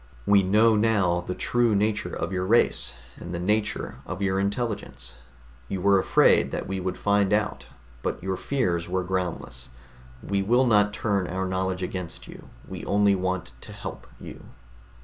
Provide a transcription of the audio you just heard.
We know now the true nature of your race, and the nature of your intelligence. You were afraid that we would find out, but your fears were groundless. We will not turn our knowledge against you. We only want to help you."